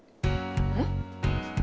えっ？